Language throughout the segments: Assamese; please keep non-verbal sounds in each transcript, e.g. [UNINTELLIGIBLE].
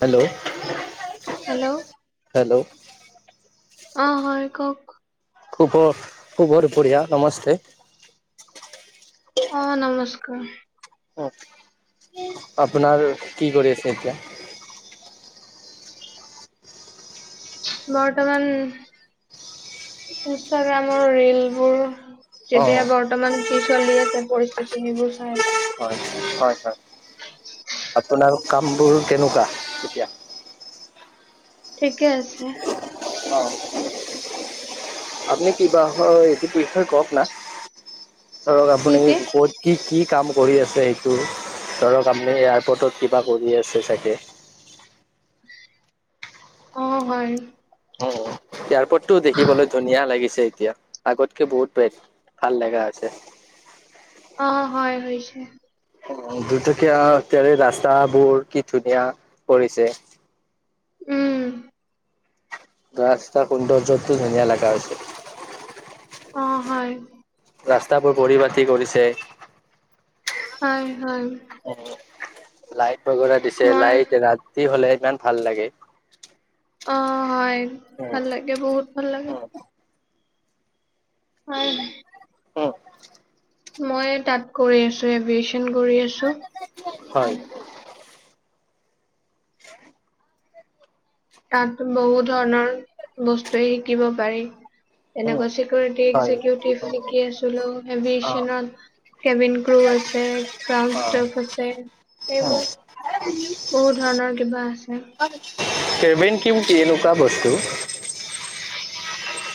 হেল্ল' হেল্ল' হেল্ল' অহ হয় কওক খুব খুব দুুপৰীয়া নমস্তে। অ নমস্কাৰ। আপোনাৰ কি কৰি আছে এতিয়া? বৰ্তমান ইনষ্টাগ্ৰামৰ ৰিলবোৰ অ' যেতিয়া বৰ্তমান কি চলি আছে পৰিস্থিতি সেইবোৰ চাই হয় হয় হয়। [INAUDIBLE] আপোনাৰ কামবোৰ কেনেকুৱা এতিয়া। ঠিকে আছে। আপুনি কিবা হয় এইটো পৰীক্ষা কওক না। ধৰক কি আপুনি কি ক'ত কি কি কাম কৰি আছে এইটো? ধৰক আপুনি এয়াৰপৰ্টত কিবা কৰি আছে চাগে। অ হয়। ইয়াৰপৰ্টটো দেখিবলৈ ধুনীয়া লাগিছে। এতিয়া আগতকে বহুত বেছ ভাল লগা হৈছে। অ হয় হৈছে। অ দুটকীয়া তেৰে ৰাস্তাবোৰ কি ধুনীয়া কৰিছে। উম। ৰাস্তা সুন্দৰ্যতটো ধুনীয়া লগা হৈছে। অ হয়। ৰাস্তাবোৰ বৰি বা কৰিছে হয় হয় লাইট বাগৰা দিছে মই লাইট ৰাতি হলে ইমান ভাল লাগে অ হয় ভাল লাগে বহুত ভাল লাগে হয় অ মই তাত কৰি আছো এভিয়েচন কৰি আছো হয় উম [UNINTELLIGIBLE] তাত বহু ধৰণৰ বস্তুৱে শিকিব পাৰি তেনেকুৱা চিকিউৰিটি হয় এক্জিকিউটিভ শিকি আছিলো অ এচনত কেবিন ক্ৰু আছে ক্ৰাউন অ ষ্টফ আছে এইবোৰ বহুত ধৰণৰ কিবা আছে কেবেন কিম কেলুকা বস্তু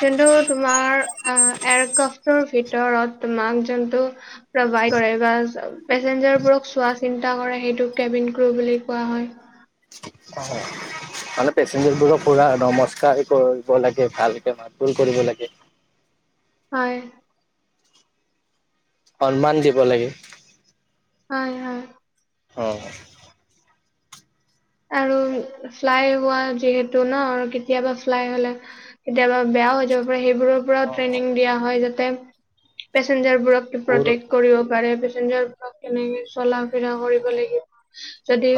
কিন্তু তোমাৰ আ এয়াৰক্ৰাফটৰ ভিতৰত তোমাক যোনটো প্ৰা বাইকৰে গ্ৰাছ পেচঞ্জাৰ বোৰক চোৱা চিন্তা কৰে সেইটোকে কেবিন ক্ৰ বুলি কোৱা হয় [UNINTELLIGIBLE] মানে পেচেঞ্জাৰবোৰক পুৰা নমস্কাৰ কৰিব লাগে ভালকে মাতবোল কৰিব লাগে হয় সন্মান দিব লাগে হয় হয় অ আৰু ফ্লাই হোৱা যিহেতু ন আৰু কেতিয়াবা ফ্লাই হলে কেতিয়াবা বে তাঅ যাব পাৰি হেপ সেইবোৰ পৰাও ট্ৰেইনিং দিয়া যাতে পেছেঞ্জাৰ বোৰক উৰ প্ৰটেক কৰিব পাৰে পে প্ৰেচেঞ্জাৰবোৰক কেনেকে চলা ফিৰা কৰিব লাগিব যদি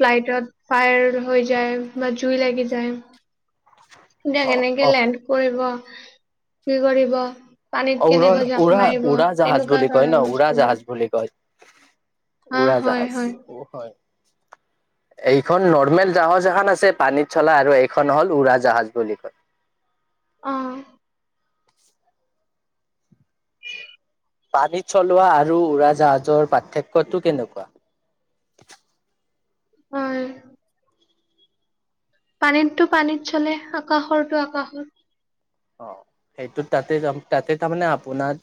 ফ্লাইটত ফায়াৰ হৈ যায় বা জুই লাগি যায় কেতিয়া কেনেকে অ অ লেণ্ড কৰিব কি কৰিব পানীত উৰা কেনেকৈ জাপ উৰা মাৰিব উৰা জাহাজ তেনেকুৱা বুলি কয় ন ধৰণৰ উৰা জাহাজ বস্তুবোৰ বুলি কয়। হা উৰা হয় জাহাজ হয় [INAUDIBLE] এইখন নৰ্মেল জাহাজ এহান আছে পানীত চলা আৰু এইখন হ'ল উৰা জাহাজ বুলি কয় অহ পানীত চলোৱা আৰু উৰাজাহাজৰ পাৰ্থক্য টো কেনেকুৱা হয় পানীটো পানীত চলে আকাশৰটো আকাশত অ সেইটো তাতে তাতে তাৰমানে আপোনাৰ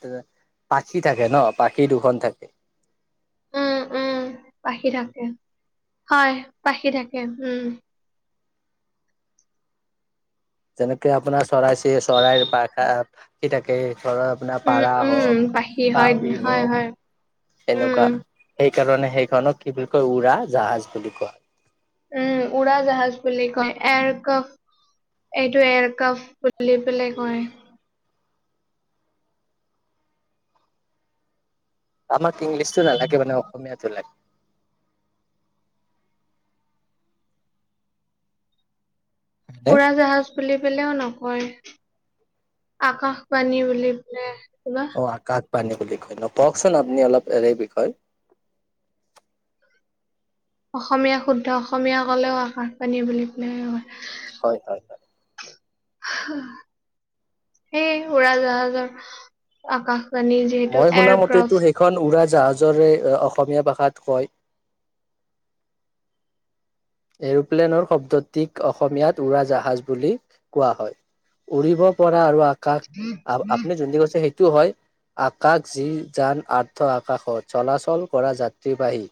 পাখি থাকে ন পাখি দুখন থাকে উম উম পাখি থাকে হয় পাখি থাকে উম যেনেকে আপোনাৰ চৰাই চি চৰাইৰ পাখা পাখি থাকে ধৰক আপোনাৰ উম পাৰা উম হওক পাখি হয় কাউৰী হয় হয় হওক এনেকুৱা উম এ হেইকাৰণে সেইখনক কি বুলি কয় উৰা জাহাজ বুলি কয় উম উৰা জাহাজ বুলি কয় এয়াৰক্ৰাফ্ট এইটো এয়াৰক্ৰাফ বুলি পেলাই কয় আমাক ইংলিছতো নালাগে মানে অসমীয়াতো লাগে লাগে। উৰা জাহাজ বুলি পেলেও ন হয় আকাশবাণী বুলিবলে অ আকাশবাণী বুলি কয় ন কওকচোন আপুনি অলপ এনে বিষয় অসমীয়া শুদ্ধ অসমীয়া ক'লেও আকাশবাণী বুলি ক'লে হয় হয় হয় হয় সেই উৰা জাহাজৰ আকাশ মই শুনামতেটো সেইখন উৰা জাহাজৰে অসমীয়া ভাষাত কয় এৰোপ্লেনৰ শব্দটিক অসমীয়াত উৰা জাহাজ বুলি কোৱা হয়। উৰিব পৰা আৰু আকাশ আ আপুনি যোনটি কৈছে সেইটোও হয় আকাশ যি যান আৰ্থ আকাশত চলাচল কৰা যাত্ৰীবাহী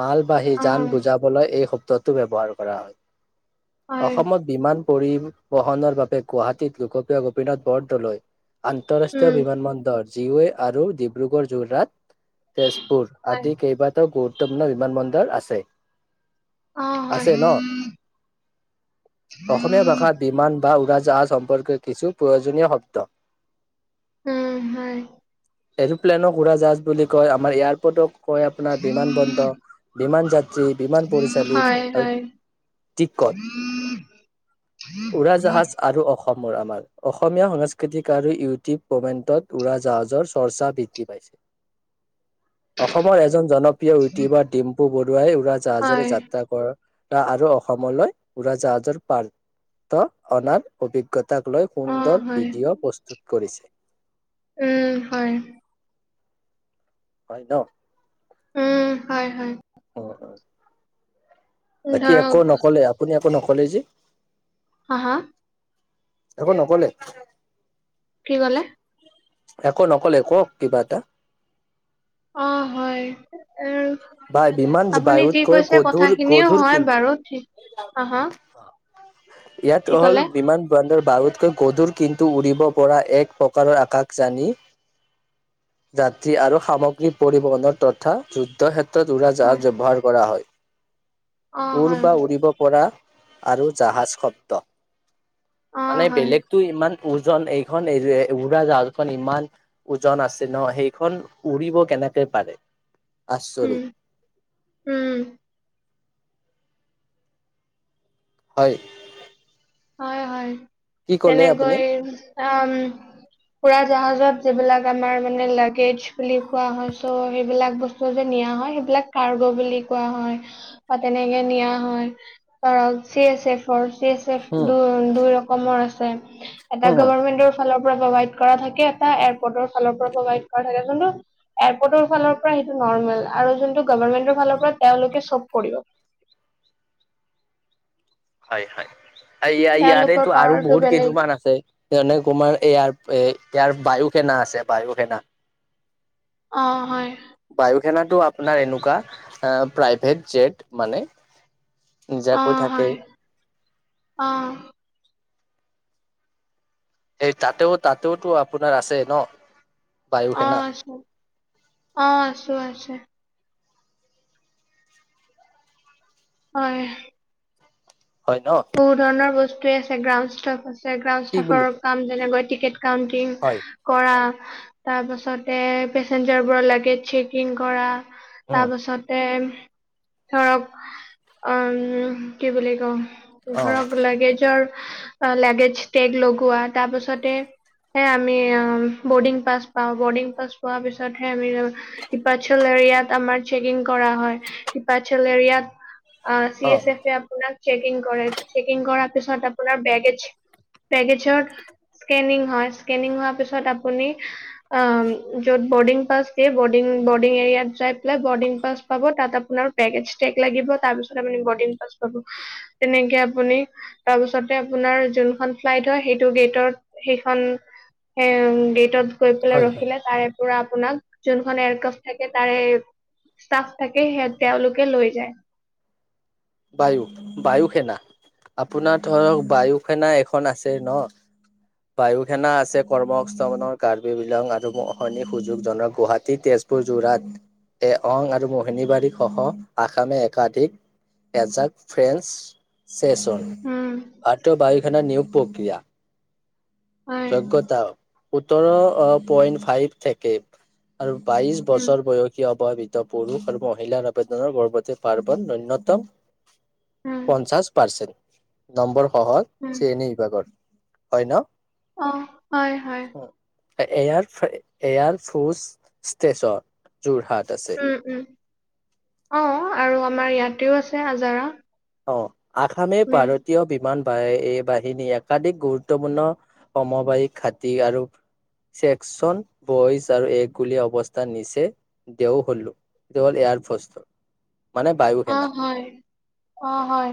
মাল বাহী যান অ', বুজাবলৈ এই শব্দটো ব্যৱহাৰ কৰা হয়। হয়, অসমত বিমান পৰিবহনৰ বাবে গুৱাহাটীত লোকপ্ৰিয় গোপীনাথ বৰদলৈ আন্তঃৰাষ্ট্ৰীয় উম, বিমান বন্দৰ যিওৱে আৰু ডিব্ৰুগড় যোৰহাট তেজপুৰ হয়, আদি কেইবাটাও গুৰুত্বপূৰ্ণ বিমানবন্দৰ আছে অ', হয়, আছে ন অসমীয়া ভাষাত বিমান বা উৰাজ জাহাজ সম্পৰ্কে কিছু প্ৰয়োজনীয় শব্দ উম হয় এৰপ্লেনক উৰা জাহাজ বুলি কয় আমাৰ এয়াৰপৰ্টক কয় আপোনাৰ বিমান বন্দক বিমান যাত্ৰী বিমান পৰিচাৰিক হয়, আৰু হয়, টিকট উৰাজাহাজ আৰু অসম অসমৰ আমাৰ অসমীয়া সাংস্কৃতিক আৰু ইউটিউব কমেণ্টত উৰা জাহাজৰ চৰ্চা বৃদ্ধি পাইছে। [INAUDIBLE] অসমৰ এজন জনপ্ৰিয় ইউটুবাৰ ডিম্পু বৰুৱাই উৰাজাহাজেৰে হয়, যাত্ৰা আৰু অসমলৈ উৰাজাহাজৰ পাৰ্থ অনাৰ অভিজ্ঞতা তাক লৈ অ', সুন্দৰ হয়, ভিডিঅ' প্ৰস্তুত কৰিছে উম হয় হয় ন উম হয় হয় অ অ বাকী একো ধৰক নকলে আপুনি একো নকলে যে হা হা একো নকলে। কি ক'লে? একো নকলে কওক কিবা এটা অ হয় এ বাই বিমান আপুনি কি বায়ুতকৈ কৈছে গধুৰ কথাখিনিও গধুৰ হয় কিন্তু বাৰু ঠিক অ হা কি ইয়াত হ'ল ক'লে বিমান বন্দৰ বাৰু তকৈ গধুৰ কিন্তু উৰিব পৰা এক প্ৰকাৰৰ আকাশ জানি যাত্ৰী আৰু সামগ্ৰী পৰিবহনৰ তথা যুদ্ধ ক্ষেত্ৰ উৰা হয় জাহাজ ব্যৱহাৰ কৰা হয় অ উৰ হয় বা উৰিব পৰা আৰু জাহাজ শব্দ অ মানে হয় বেলেগতো ইমান ওজন এইখন এ উৰা জাহাজখন ইমান ওজন আছে ন সেইখন উৰিব কেনে কেনেকে পাৰে উম আচৰিত উম হয় হয় হয় কি ক'লে আপুনি তেনেকৈ আমম উৰা জাহাজত যিবিলাক আমাৰ মানে লাগেজ বুলি কোৱা হয় চ' সেইবিলাক বস্তু যে নিয়া হয় সেই এইবিলাক কাৰ্গ বুলি কোৱা হয় বা তেনেকে নিয়া হয় ধৰক চি এছ এফৰ চি এ উম দু দুই ৰকমৰ আছে এটা উম গভৰ্মেন্টৰ ফালৰ প্ৰভাইড কৰা থাকে এটা এয়াৰপৰ্টৰ ফালৰ পৰা প্ৰভাইড কৰা থাকে কিন্তু এয়াৰপৰ্টৰ ফালৰ পৰা সেইটো নৰ্মেল আৰু যোনটো গভাৰ্মেন্টৰ ফালৰ পৰা তেওঁলোকে চব কৰিব [INAUDIBLE] হয় হয় আৰু ইয়া তেওঁলোকৰ ইয়াৰেতো আৰু পাৱাৰটো বহুত বেলেগ কেইছুমান আছে যেনে তোমাৰ ইয়াৰ এ ইয়াৰ বায়ু সেনা আছে বায়ু সেনা। অ হয়। বায়ু সেনাটো আপোনাৰ এনেকুৱা প্ৰাইভেট জেট মানে। অ নিযাকৈ থাকে। হয় অ এই তাতেও তাতো ত আপোনাৰ আছে ন। বায়ু অ সেনা আছে অহ আছো আছে। হয় হয় ন বহু ধৰণৰ বস্তুৱে আছে গ্ৰাউন ষ্টাফ আছে গ্ৰাউন কি বুলি ষ্টাফৰ কয় কাম যেনেকৈ টিক- কাউন্টিং হয় কৰা। তাৰ পাছতে পেচেঞ্জাৰ বোৰৰ লাগেজ চেকিং কৰা। উম তাৰপাছতে ধৰক অম কি বুলি কওঁ অ ধৰক লেগেজৰ লেগেজ টেগ লগোৱা তাৰপাছতে হে আমি বৰ্ডিং পাছ পাও বৰ্ডিং পাছ পোৱা পিছত হে আমি কৃপাছল এ ৰিয়াত আমাৰ চেকিং কৰা হয় হিপাৰচেল এৰিয়াত অ চি এছ এফ এ আপোনাক চেকিং কৰে চেকিং কৰাৰ পিছত আপোনাৰ বেগেজ বেগেজত স্ক্ৰেনিং হয় স্ক্ৰিনিং হোৱাৰ পাছত আপুনি অহ যদ- বৰ্ডিং পাছ পে বৰ্ডিং এৰিয়াত যাই পেলাই বৰ্ডিং পাছ পাব তাত আপোনাৰ পেকেজ টেক লাগিব। তাৰ পিছত আপুনি বৰ্ডিং পাছ পাব তেনেকে আপুনি তাৰপিছতে আপোনাৰ যোনখন ফ্লাইট হয় সেইটো গেটত সেইখন সেং গেটত গৈ পেলাই হয় হয় ৰখিলে তাৰে পুৰা আপোনাক যোনখন এয়াৰক্ৰাফ থাকে তাৰে ষ্টাফ থাকে সে তেওঁলোকে লৈ যায়। বায়ু, বায়ু সেনা আপোনাৰ ধৰক বায়ু সেনা এখন আছে ন বায়ু সেনা আছে কৰ্মস্থৰ কাৰ্বি বিলাক আৰু সৈনিক সুযোগজনক গুৱাহাটী তেজ তেজপুৰ যোৰহাট এ অং আৰু মোহিনী বাৰীসহ আসামে একাধিক এজাক ফ্ৰেঞ্চচ চেছ অন আৰ টু বাইক নিয়োগ প্ৰক্ৰিয়া যোগ্যতা সোতৰ পইণ্ট ফাইভ থাকে। আৰু বাইশ হয় বছৰ বয়সীয় ব ৱিত পুৰুষ আৰু মহিলাৰ আবেদনৰ প্ৰপত্ৰে পাৰ্বত নুণ্যতম উম, পঞ্চাশ পাৰ্চেণ্ট নম্বৰ সহজ উম, শ্ৰেণী বিভাগৰ হয় ন। অ হয় হয়। এয়াৰফ্ৰে এয়াৰফৰ্চ ষ্টেশচন যোৰহাট। আছে উম উম অ আৰু আমাৰ ইয়াতেও আছে আজাৰা। অ আসামে মে ভাৰতীয় বিমান বা এই বাহিনী একাধিক গুৰুত্বপূৰ্ণ সমবায়িক ঘাটি আৰু চেকচন বইজ আৰু এগ বুলি অৱস্থা নিচে দেও হলো। দেৱল এয়া এয়াৰফস্তত অ হয় অ হয়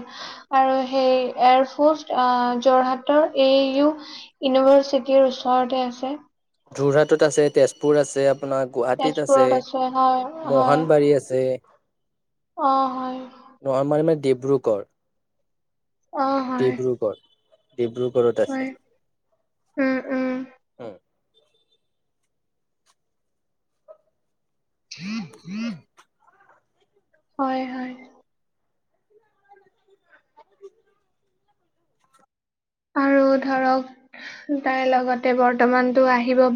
আৰু সেই এয়াৰফৰ্চ আহ যোৰহাটৰ এ ইউ ইউনিভা- ইউনিভাৰ্চিটিৰ ওচৰতে আছে। যোৰহাটত আছে, তেজপুৰ আছে। আপোনাৰ গুৱাহাটীত আছে, তেজপুৰত হয়, মোহনবাৰী আছে। অহ হয়। মোহনবাৰী মানে ডিব্ৰুগড় অ', হয়, ডিব্ৰুগড়, ডিব্ৰুগড়ত হয়, আছে। উম, উম, উম [UNINTELLIGIBLE] হয়-হয় আৰু ধৰক তাৰ লগতে বৰ্তমানতো আহিব বা